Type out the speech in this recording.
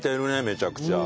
めちゃくちゃ。